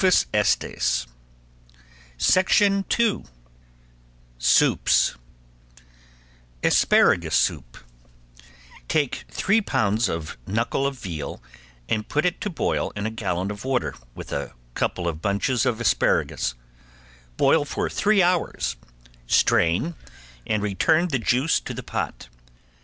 GOOD THINGS TO EAT SOUPS ~ASPARAGUS SOUP~ Take three pounds of knuckle of veal and put it to boil in a gallon of water with a couple of bunches of asparagus, boil for three hours, strain, and return the juice to the pot.